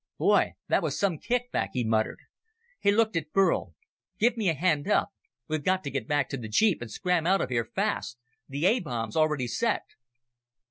"Boy, that was some kickback," he muttered. He looked at Burl. "Give me a hand up. We've got to get back to the jeep and scram out of here fast. The A bomb's already set."